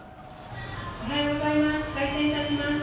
「おはようございます。